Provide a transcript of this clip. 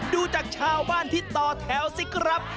ดูจากชาวบ้านที่ต่อแถวสิครับ